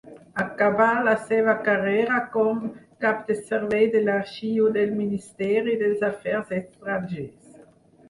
Acabà la seva carrera com cap del servei de l'arxiu del ministeri dels afers estrangers.